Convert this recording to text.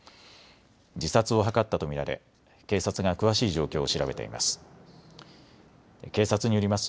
自殺を図ったと見られ警察が詳しい状況を調べています。